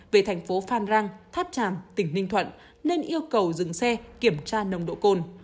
về thành phố phan rang tháp tràm tỉnh ninh thuận nên yêu cầu dừng xe kiểm tra nồng độ cồn